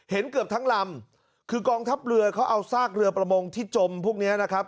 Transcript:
เกือบทั้งลำคือกองทัพเรือเขาเอาซากเรือประมงที่จมพวกนี้นะครับ